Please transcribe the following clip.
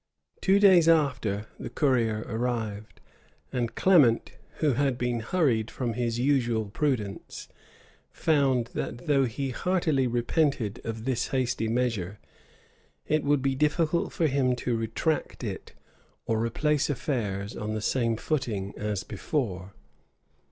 Two days after, the courier arrived; and Clement, who had been hurried from his usual prudence, found that though he heartily repented of this hasty measure, it would be difficult for him to retract it, or replace affairs on the same footing as before.